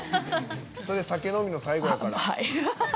それ、酒飲みの最後やから。